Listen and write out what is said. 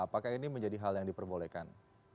apakah ini menjadi hal yang diperbolehkan